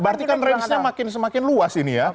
berarti kan rangenya makin luas ini ya